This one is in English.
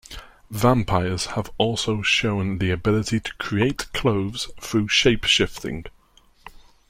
Vampires have also shown the ability to create clothes through shapeshifting.